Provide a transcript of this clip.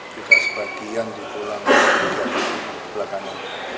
juga sebagian di pulang belakangnya